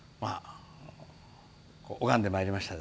拝んでまいりました。